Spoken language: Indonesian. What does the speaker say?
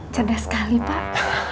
cerdas sekali pak